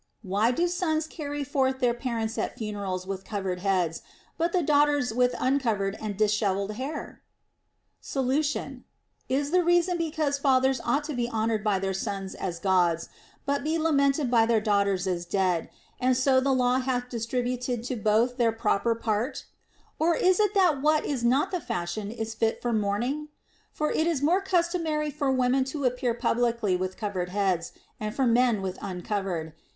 Why do sons carry forth their parents at funerals with covered heads, but the daughters with uncov ered and dishevelled hair'? Solution. Is the reason because fathers ought to be honored by their sons as Gods, but be lamented by their daughters as dead, and so the law hath distributed to both their proper part] Or is it that what is not the fashion is fit for mourning] For it is more customary for women to appear publicly with covered heads, and for men with un covered.